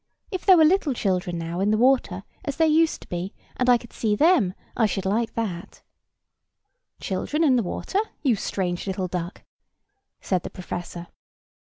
If there were little children now in the water, as there used to be, and I could see them, I should like that." [Picture: Ellie] "Children in the water, you strange little duck?" said the professor.